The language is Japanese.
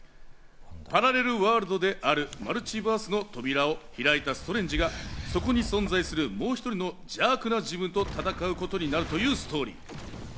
パラレルワールドであるマルチバースの扉を開いたストレンジがそこに存在するもう１人の邪悪な自分と戦うことになるというストーリー。